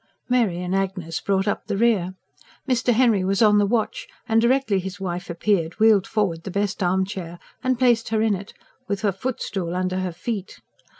Mary and Agnes brought up the rear. Mr. Henry was on the watch, and directly his wife appeared wheeled forward the best armchair and placed her in it, with a footstool under her feet.